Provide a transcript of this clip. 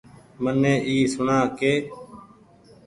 مني اي سوڻآ ڪي